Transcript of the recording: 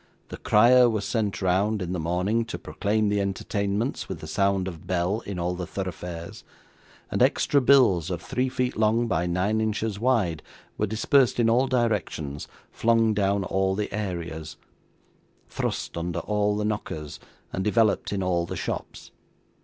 The crier was sent round, in the morning, to proclaim the entertainments with the sound of bell in all the thoroughfares; and extra bills of three feet long by nine inches wide, were dispersed in all directions, flung down all the areas, thrust under all the knockers, and developed in all the shops.